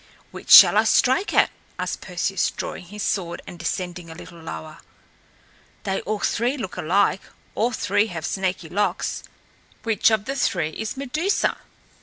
"Which shall I strike at?" asked Perseus, drawing his sword and descending a little lower. "They all three look alike. All three have snaky locks. Which of the three is Medusa?"